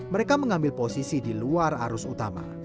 mereka mengambil posisi di luar arus utama